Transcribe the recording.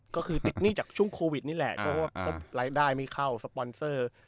ก็คือติดหนี้จากช่วงโควิดนี่แหละเพราะว่ารายได้ไม่เข้าสปอนเซอร์